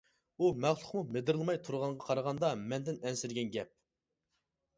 ئۇ مەخلۇقمۇ مىدىرلىماي تۇرغانغا قارىغاندا مەندىن ئەنسىرىگەن گەپ.